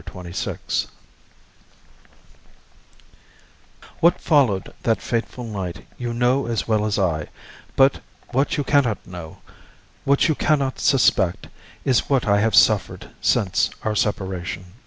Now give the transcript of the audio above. Chapter XXVI What followed that fatal night you know as well as I; but what you can not know, what you can not suspect, is what I have suffered since our separation.